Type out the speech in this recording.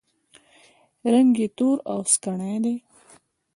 رنګ یې تور او سکڼۍ دی.